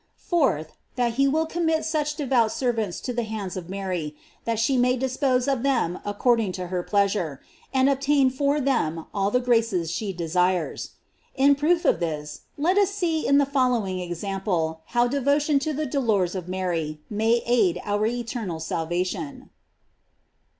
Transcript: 4th. That he will commit such devout servants to the hands of Mary, that she may dispose of them according to her pleasure, and obtain for them all the graces she desires. In proof of this, let us see in the following example how devotion to the dolors of Mary may aid our eternal salva tion.